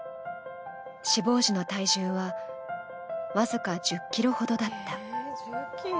死亡時の体重は、僅か１０ｋｇほどだった。